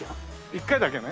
１回だけね。